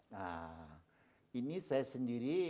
nah ini saya sendiri